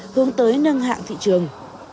hướng tới nâng hạng thị trường